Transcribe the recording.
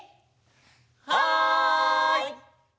はい！